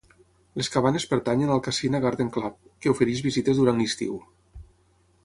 Les cabanes pertanyen al Cassina Garden Club, que ofereix visites durant l'estiu.